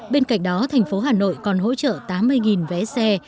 bên cạnh đó thành phố hà nội còn hỗ trợ tám mươi vé xe